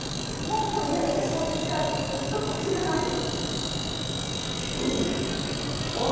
何が衝撃かというと、こちらなんてす。